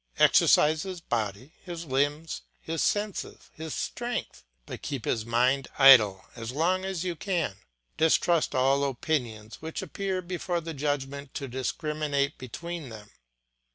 Exercise his body, his limbs, his senses, his strength, but keep his mind idle as long as you can. Distrust all opinions which appear before the judgment to discriminate between them.